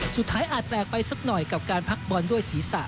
อาจแปลกไปสักหน่อยกับการพักบอลด้วยศีรษะ